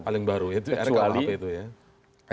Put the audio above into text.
paling baru yaitu rkuhp itu ya